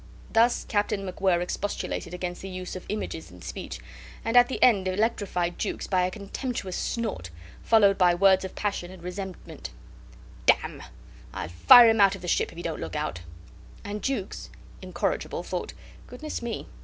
Thus Captain MacWhirr expostulated against the use of images in speech, and at the end electrified Jukes by a contemptuous snort, followed by words of passion and resentment: "Damme! I'll fire him out of the ship if he don't look out." And Jukes, incorrigible, thought: "Goodness me!